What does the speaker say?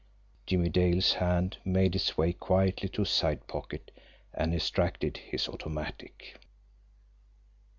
Jimmie Dale's hand made its way quietly to his side pocket and extracted his automatic.